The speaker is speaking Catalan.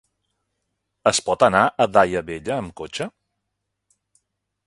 Es pot anar a Daia Vella amb cotxe?